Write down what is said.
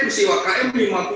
peristiwa km lima puluh